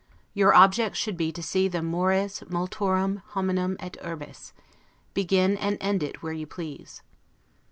Your object should be to see the 'mores multorum hominum et urbes'; begin and end it where you please.